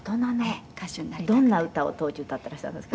「どんな歌を当時歌ってらしたんですか？」